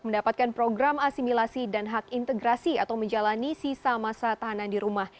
mendapatkan program asimilasi dan hak integrasi atau menjalani sisa masa tahanan di rumah